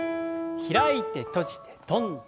開いて閉じて跳んで。